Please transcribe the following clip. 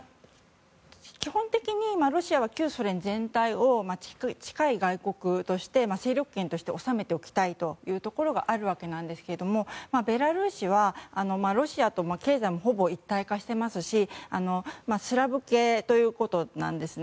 基本的にロシアは旧ソ連全体に近い外国として勢力圏として治めておきたいという思いがあるんですがベラルーシは、ロシアと経済もほぼ一体化してますしスラブ系ということなんですね。